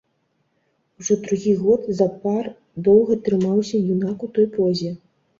Ужо другі год запар доўга трымаўся юнак у той позе.